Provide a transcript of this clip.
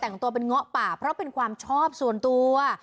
แต่งตัวเป็นเงาะป่าเพราะเป็นความชอบส่วนตัว